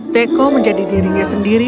teko menjadi dirinya sendiri